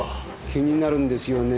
気になるんですよね